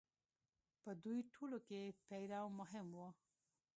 په دوی ټولو کې پیرو مهم و.